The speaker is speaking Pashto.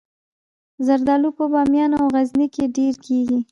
زردالو په بامیان او غزني کې ډیر کیږي